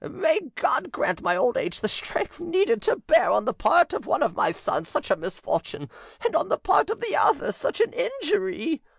"May God grant my old age the strength needed to bear on the part of one of my sons such a misfortune, and on the part of the other such an injury!"